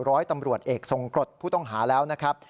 ร้อยตำรวจเอกทรงกรดผู้ต้องหาแล้วนะครับ